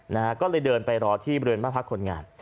นะฮะก็เลยเดินไปรอที่บริเวณบ้านพักคนงาน